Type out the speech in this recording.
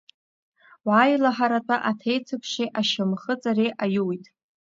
Уааилаҳаратәа аҭеиҭыԥши ашьамхы ҵари аиуит.